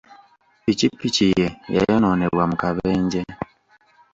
Ppikipiki ye yayonoonebwa mu kabenje.